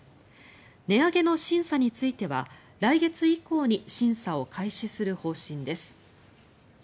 値上げの審査については来月以降に審査を開始する方針です。